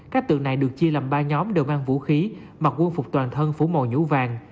các tượng này được chia làm ba nhóm đều mang vũ khí mặc quân phục toàn thân phủ màu nhũ vàng